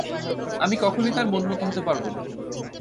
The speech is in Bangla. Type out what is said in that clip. আমি কখনোই তার মনমতো হতে পারব না।